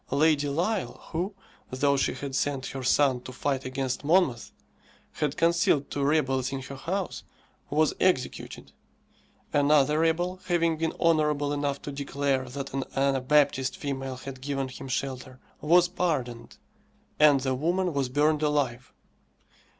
Lady Lisle, who, though she had sent her son to fight against Monmouth, had concealed two rebels in her house, was executed; another rebel, having been honourable enough to declare that an Anabaptist female had given him shelter, was pardoned, and the woman was burned alive.